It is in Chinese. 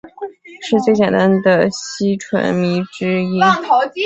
是最简单的烯醇醚之一。